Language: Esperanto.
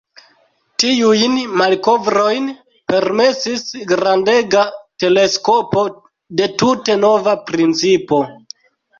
Tiujn malkovrojn permesis grandega teleskopo de tute nova principo.